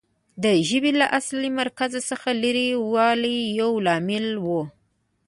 د ژبې له اصلي مرکز څخه لرې والی یو لامل و